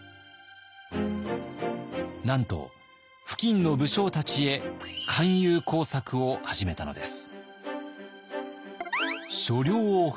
なんと付近の武将たちへ勧誘工作を始めたのです。